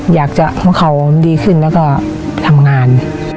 อยากให้เขาดีขึ้นแล้วก็ทำงาน